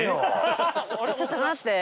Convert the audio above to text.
ちょっと待ってよ！